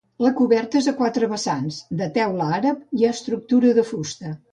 La coberta és a quatre vessants, de teula àrab i estructura de fusta.